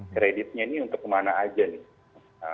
kreditnya ini untuk kemana aja nih